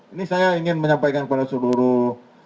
ini saya ingin menyampaikan kepada seluruh